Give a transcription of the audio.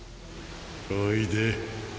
おいで。